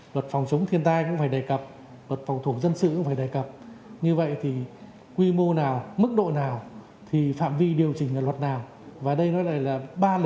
luật phòng chống thiên tai cũng phải đề cập luật phòng thủ dân sự cũng phải đề cập